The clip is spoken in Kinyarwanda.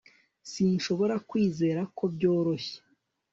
Sinshobora kwizera ko byoroshye